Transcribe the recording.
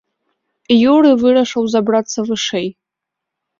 Юрый вырашыў забрацца вышэй.